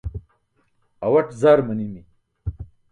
Awaṭ zar manimi.